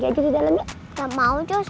iya dulu kita hatos